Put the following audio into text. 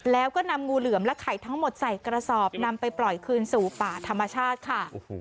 แล้วก็นำงูเหลือมและไข่ทั้งหมดใส่กระสอบนำไปปล่อยคืนสู่ป่าธรรมชาติค่ะ